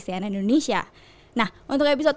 cnn indonesia nah untuk episode